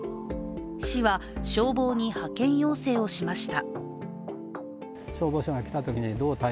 市は消防に派遣要請をしました。